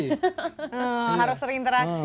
oh harus sering interaksi